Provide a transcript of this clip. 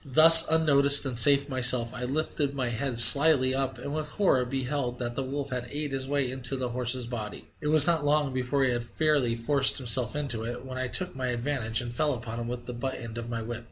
Thus unnoticed and safe myself, I lifted my head slyly up, and with horror I beheld that the wolf had ate his way into the horse's body. It was not long before he had fairly forced himself into it, when I took my advantage and fell upon him with the butt end of my whip.